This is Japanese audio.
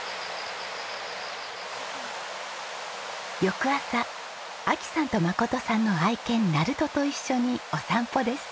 翌朝亜紀さんと真さんの愛犬ナルトと一緒にお散歩です。